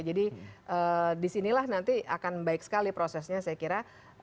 jadi disinilah nanti akan baik sekali prosesnya saya kira